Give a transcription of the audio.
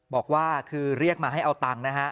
บอกว่าคือเรียกมาให้เอาตังค์นะฮะ